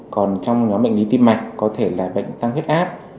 còn trong nhóm bệnh lý tim mạch có thể là bệnh tăng huyết áp